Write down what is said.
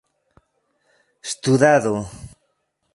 studado